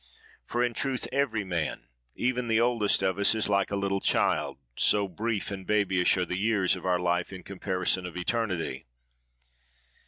For in truth, every man, even the oldest of us, is like a little child, so brief and babyish are the years of our life in comparison of eternity.